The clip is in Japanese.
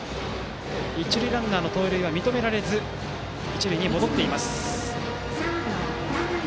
一塁ランナーの盗塁は認められず一塁に戻っています。